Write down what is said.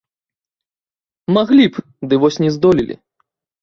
Маглі б, ды вось не здолелі.